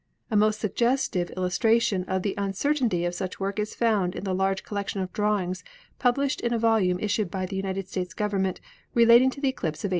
A most suggestive illustration of the uncertainty of such work is found in the large collection of drawings pub lished in a volume issued by the United States Govern ment relating to the eclipse of 1878.